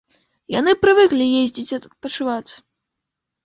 Яны прывыклі ездзіць адпачываць.